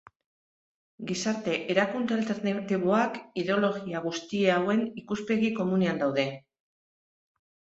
Gizarte erakunde alternatiboak ideologia guzti hauen ikuspegi komunean daude.